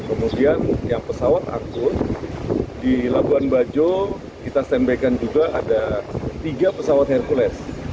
kemudian yang pesawat akun di labuan bajo kita stand by kan juga ada tiga pesawat hercules